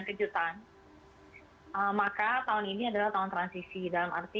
kejutan maka tahun ini adalah tahun transisi dalam arti